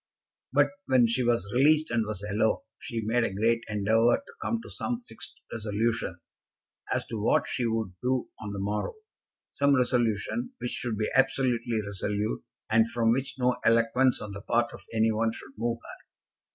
But when she was released and was alone, she made a great endeavour to come to some fixed resolution as to what she would do on the morrow, some resolution which should be absolutely resolute, and from which no eloquence on the part of any one should move her.